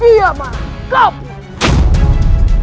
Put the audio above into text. dia mah kau pun